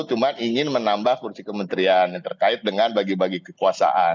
cuma ingin menambah kursi kementerian yang terkait dengan bagi bagi kekuasaan